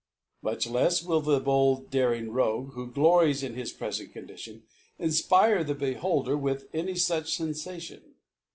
Much Icls will the bold daring Rogue who glories in his pre* feot Condition, infjpire the Beholder with any fuch Senfation.